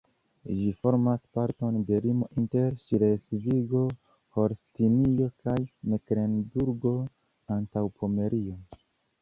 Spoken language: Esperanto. Ĝi formas parton de limo inter Ŝlesvigo-Holstinio kaj Meklenburgo-Antaŭpomerio.